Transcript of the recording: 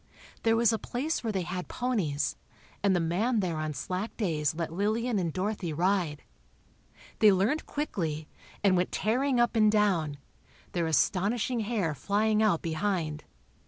There was a place where they had ponies, and the man there on slack days let Lillian and Dorothy ride. They learned quickly, and went tearing up and down, their astonishing hair flying out behind.